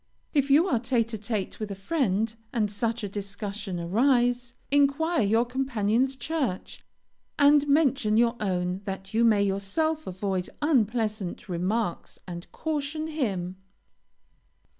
If you are tête à tête with a friend, and such a discussion arise, inquire your companion's church and mention your own, that you may yourself avoid unpleasant remarks, and caution him.